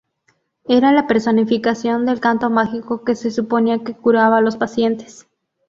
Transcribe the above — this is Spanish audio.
Era la personificación del canto mágico que se suponía que curaba a los pacientes.